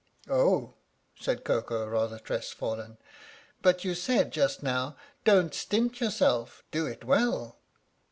" Oh," said Koko, rather crestfallen. " But you said just now * don't stint yourself, do it well.'